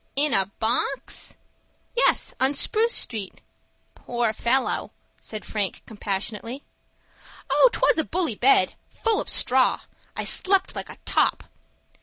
"In a box?" "Yes, on Spruce Street." "Poor fellow!" said Frank, compassionately. "Oh, 'twas a bully bed—full of straw! I slept like a top."